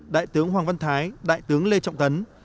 đại tướng hoàng văn thái đại tướng lê trọng tấn